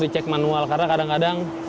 dicek manual karena kadang kadang